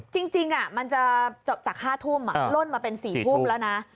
จริงมันจะจาก๕ทุ่มล่นมาเป็น๔ทุ่มแล้วนะ